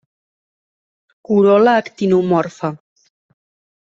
Corol·la actinomorfa.